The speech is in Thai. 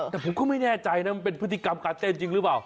แต่ผมก็ไม่แน่ใจนะมันเป็นพฤติกรรมการเต้นจริงหรือเปล่า